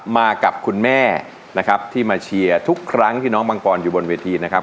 มากับคุณแม่นะครับที่มาเชียร์ทุกครั้งที่น้องมังปอนอยู่บนเวทีนะครับ